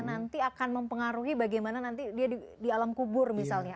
nanti akan mempengaruhi bagaimana nanti dia di alam kubur misalnya